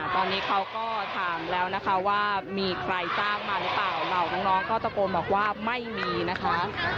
ตอนนี้เขาก็ถามแล้วนะคะว่ามีใครจ้างมาหรือเปล่าเหล่าน้องก็ตะโกนบอกว่าไม่มีนะคะ